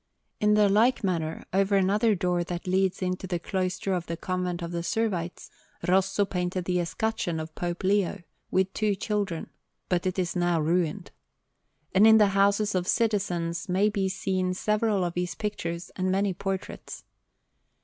In like manner, over another door that leads into the cloister of the Convent of the Servites, Rosso painted the escutcheon of Pope Leo, with two children; but it is now ruined. And in the houses of citizens may be seen several of his pictures and many portraits.